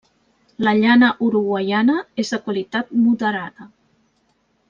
La llana uruguaiana és de qualitat moderada.